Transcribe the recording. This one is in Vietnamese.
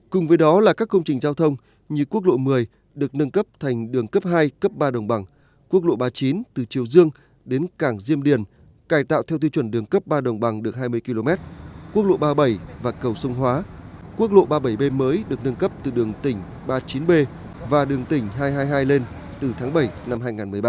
cùng với đó là các công trình giao thông như quốc lộ một mươi được nâng cấp thành đường cấp hai cấp ba đồng bằng quốc lộ ba mươi chín từ triều dương đến cảng diêm điền cài tạo theo thuy chuẩn đường cấp ba đồng bằng được hai mươi km quốc lộ ba mươi bảy và cầu sông hóa quốc lộ ba mươi bảy b mới được nâng cấp từ đường tỉnh ba mươi chín b và đường tỉnh hai trăm hai mươi hai lên từ tháng bảy năm hai nghìn một mươi ba